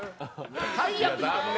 最悪。